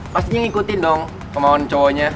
pastinya ngikutin dong kemauan cowoknya